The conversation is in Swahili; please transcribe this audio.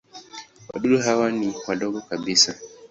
Wadudu hawa ni wadogo kabisa.